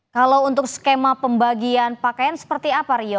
kalau untuk skema pembagian pakaian seperti apa rio